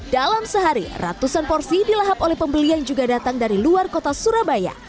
dalam sehari ratusan porsi dilahap oleh pembeli yang juga datang dari luar kota surabaya